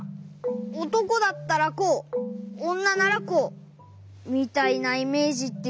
「おとこだったらこうおんなならこう」みたいなイメージっていうか。